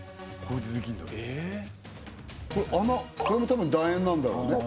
この穴これもたぶん楕円なんだろうね